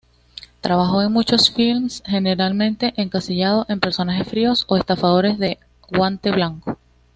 Trabajó en muchos filmes, generalmente encasillado en personajes fríos o estafadores de guante blanco.